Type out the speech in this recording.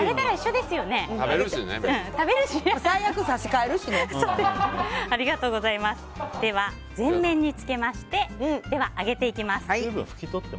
では、全面につけまして揚げていきます。